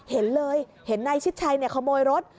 เห็นเลยเห็นในชิดชัยเนี่ยขโมยรถ